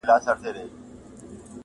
زه هم ځان سره یو څه دلیل لرمه,